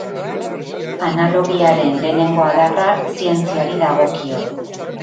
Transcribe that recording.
Analogiaren lehenengo adarra zientziari dagokio.